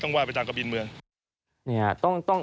ต้องว่าไปจากกระบินเมือง